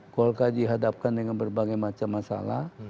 golkar dihadapkan dengan berbagai macam masalah